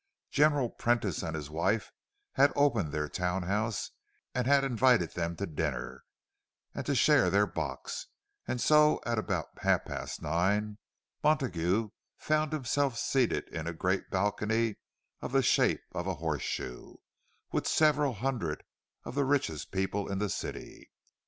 General Prentice and his wife had opened their town house, and had invited them to dinner and to share their box; and so at about half past nine o'clock Montague found himself seated in a great balcony of the shape of a horseshoe, with several hundred of the richest people in the city.